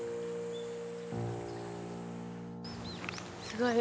すごい。